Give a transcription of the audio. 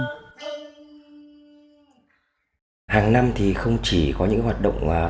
hàng năm thì không chỉ có những hoạt động tổ chức